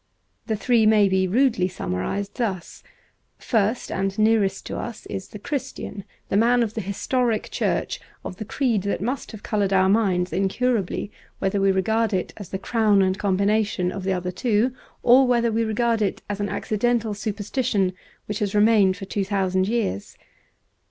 The three may be rudely summarized thus : First and nearest to us is the Christian, the man of the historic Church, of the creed that must have coloured our minds incurably whether we regard it as the crown and combination of the other two, or whether we regard it as an accidental superstition which has remained for two thousand years.